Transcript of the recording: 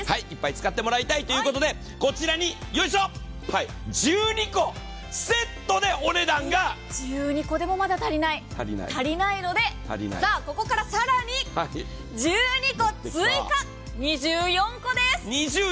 使ってもらいたいということでこちらによいしょっ、１２個セットでお値段が１２個でもまだ足りないのでここから更に１２個追加、２４個です！